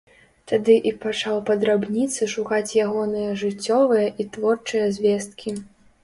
Тады і пачаў па драбніцы шукаць ягоныя жыццёвыя і творчыя звесткі.